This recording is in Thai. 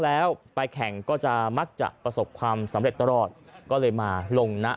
แล้วไปแข่งก็จะมักจะประสบความสำเร็จตลอดก็เลยมาลงนะ